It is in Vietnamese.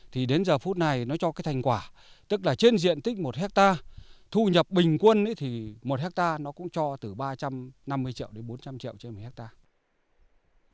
thì đến giờ phút này nó cho cái thành quả tức là trên diện tích một hectare thu nhập bình quân thì một hectare nó cũng cho từ ba trăm năm mươi triệu đến bốn trăm linh triệu trên một hectare